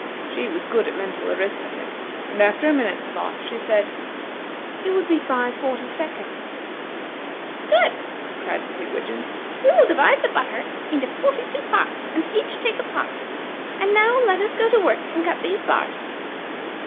She was good at mental arithmetic; and, after a minute's thought, she said, "It would be five forty seconds." "Good!" cried the pigwidgeons. "We will divide the butter into forty two parts, and each take five. And now let us go to work and cut these bars."